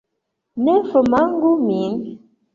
Ne formanĝu min!